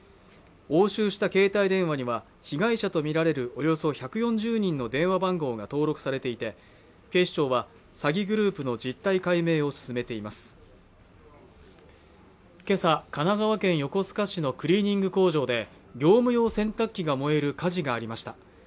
押収した携帯電話には被害者と見られるおよそ１４０人の電話番号が登録されていて警視庁は詐欺グループの実態解明を進めていますけさ神奈川県横須賀市のクリーニング工場で業務用洗濯機が燃える火事がありました